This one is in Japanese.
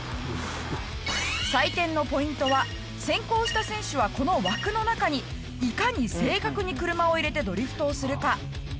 採点のポイントは先行した選手はこの枠の中にいかに正確に車を入れてドリフトをするか。